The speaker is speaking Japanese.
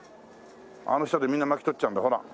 あの舌でみんな巻き取っちゃうんだほら。